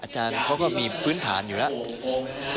อาจารย์เขาก็มีพื้นฐานอยู่แล้ว